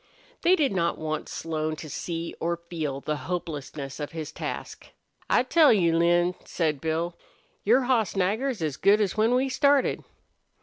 They did not want Slone to see or feel the hopelessness of his task. "I tell you, Lin," said Bill, "your hoss Nagger's as good as when we started."